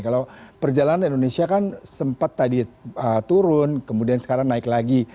kalau perjalanan indonesia kan sempat tadi turun kemudian sekarang naik lagi